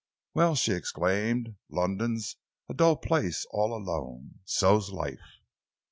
"Well," she exclaimed, "London's a dull place all alone. So's life."